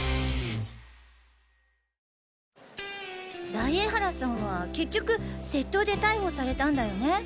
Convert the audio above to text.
大江原さんは結局窃盗で逮捕されたんだよね。